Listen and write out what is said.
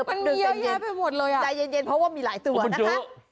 มันมีเยอะแยะไปหมดเลยอ่ะใจเย็นเพราะว่ามีหลายตัวนะคะ